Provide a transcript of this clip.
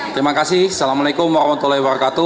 terima kasih assalamualaikum wr wb